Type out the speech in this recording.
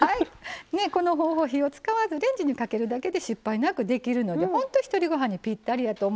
この方法火を使わずレンジにかけるだけで失敗なくできるのでほんとひとりごはんにぴったりやと思います。